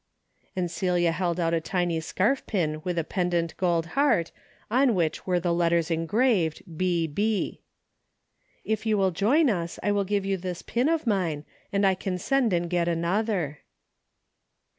and Celia held out a tiny scarf pin with a pendant gold heart, on which were the letters engraved B. B. "If you will join us, I'll give you this pin of mine, and I can send and get another."